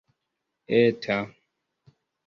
eta